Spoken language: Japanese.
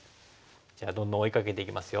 じゃあどんどん追いかけていきますよ。